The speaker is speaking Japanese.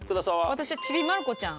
私は『ちびまる子ちゃん』。